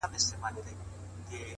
د وخت ضایع کول د ژوند ضایع کول دي؛